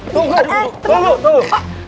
tunggu tunggu tunggu